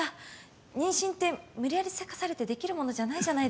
妊娠って無理やりせかされてできるものじゃないじゃないですか。